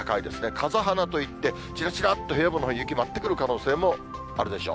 かざはなといって、ちらちらっと平野部のほう、雪舞ってくる可能性もあるでしょう。